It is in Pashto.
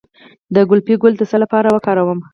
د ګلپي ګل د څه لپاره وکاروم؟